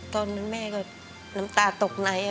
ตอนนั้นแม่ก็น้ำตาตกใน